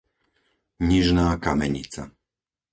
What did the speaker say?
Nižná Kamenica